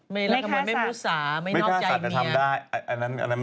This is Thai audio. ไม่ฆ่าสัตย์แต่ทำได้